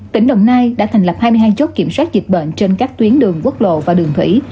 tỉnh đồng nai đã thành lập hai mươi hai chốt kiểm soát dịch bệnh trên các tuyến đường quốc lộ và đường thủy